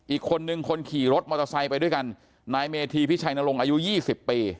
อีกคนนึงคนขี่รถมอเตอร์ไซค์ไปด้วยกันนายเมธีพิชัยนรงค์อายุ๒๐ปี